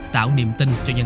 tạo niềm tin cho dân dân